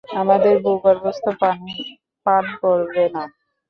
আমাদের ভূগর্ভস্থ পানি পান করবে না।